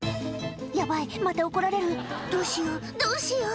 「ヤバいまた怒られるどうしようどうしよう」